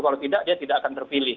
kalau tidak dia tidak akan terpilih